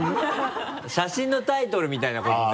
写真のタイトルみたいなことね？